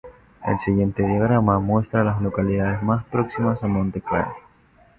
El siguiente diagrama muestra a las localidades más próximas a Montclair.